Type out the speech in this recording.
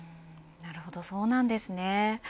なるほど、そうなんですね。